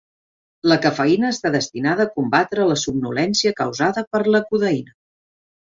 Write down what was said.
La cafeïna està destinada a combatre la somnolència causada per la codeïna.